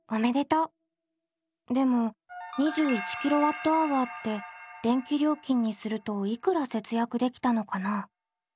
でも２１ｋＷｈって電気料金にするといくら節約できたのかな？